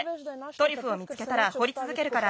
トリュフを見つけたらほりつづけるから。